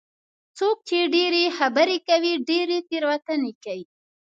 څوک چې ډېرې خبرې کوي، ډېرې تېروتنې کوي.